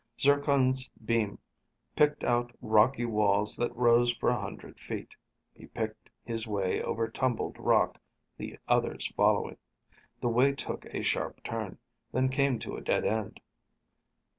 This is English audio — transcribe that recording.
Zircon's beam picked out rocky walls that rose for a hundred feet. He picked his way over tumbled rock, the others following. The way took a sharp turn, then came to a dead end.